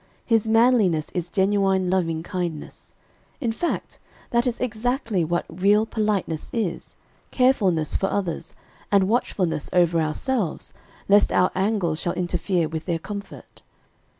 His manliness is genuine loving kindness. In fact, that is exactly what real politeness is; carefulness for others, and watchfulness over ourselves, lest our angles shall interfere with their comfort."